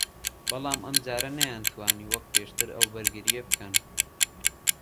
بەڵام ئەمجارە نەیانتوانی وەکو پێشتر ئەو بەرگرییە بکەن